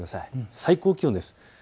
最高気温です。